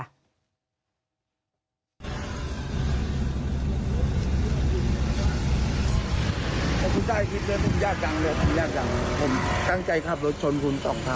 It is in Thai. อันดับสุดท้ายที่เจอบุญญาต์ดังเลยบุญญาต์ดังผมกำลังใจขับรถชนคุณสองครั้ง